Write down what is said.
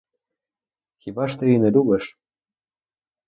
Хіба ж ти її не любиш?